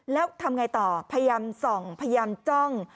แล้วทำไงต่อพยายามส่องพยายามจ้อง